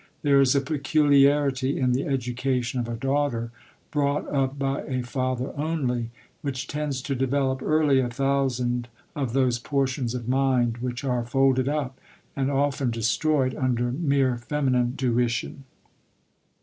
There is a pecu liarity in the education of a daughter, brought up by a father only, which tends to develop early a thousand of those portions of mind, which are folded up, and often destroyed, under mere femi nine tuition.